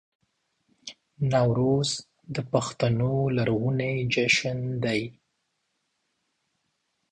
نوروز د پښتنو لرغونی جشن دی